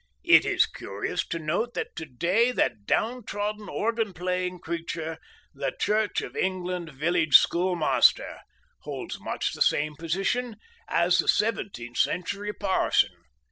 It is curious to note that to day that down trodden, organ playing creature, the Church of England village Schoolmaster, holds much the same position as the seventeenth century parson.